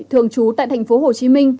thường trú tại tp hcm